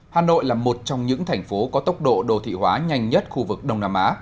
hà nội là một trong những thành phố có tốc độ đô thị hóa nhanh nhất khu vực đông nam á